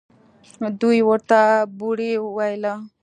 دوى ورته بوړۍ ويله.